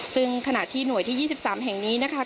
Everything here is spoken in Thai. ซึ่งขณะที่หน่วยที่๒๓แห่งนี้นะคะ